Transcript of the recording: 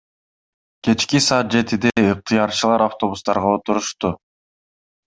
Кечки саат жетиде ыктыярчылар автобустарга отурушту.